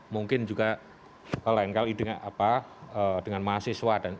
mungkin juga lain kali dengan mahasiswa